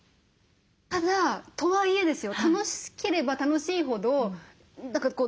ただとはいえですよ